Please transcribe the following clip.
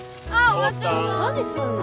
ああ。